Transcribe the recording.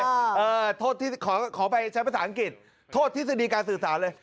เออโทษที่ขอขอไปใช้ภาษาอังกฤษโทษทฤษฎีการสื่อสารเลย